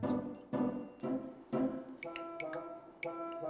udah sama ngerang